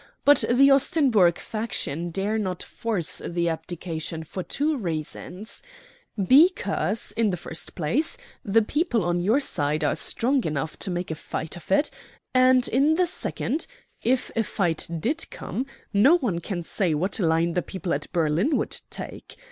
But the Ostenburg faction dare not force the abdication for two reasons: because, in the first place, the people on your side are strong enough to make a fight of it; and, in the second, if a fight did come, no one can say what line the people at Berlin would take.